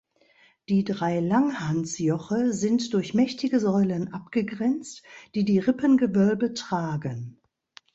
Die drei Langhaus-Joche sind durch mächtige Säulen abgegrenzt, die die Rippengewölbe tragen.